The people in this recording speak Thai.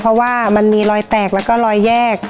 เพราะว่ามันมีรอยแตกแล้วก็รอยแยก